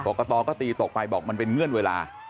กตก็ตีตกไปบอกมันเป็นเงื่อนเวลา